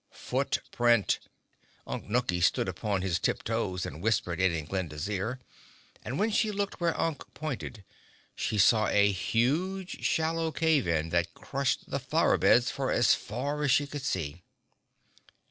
"Foot print!" Unk Nunkie stood upon his tip toes and whispered it in Glinda's ear and when she looked where Unk pointed she saw a huge, shallow cave in that crushed the flower beds for as far as she could see.